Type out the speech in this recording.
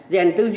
rèn tư duy